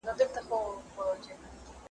لکه نه وي پر کښتۍ توپان راغلی `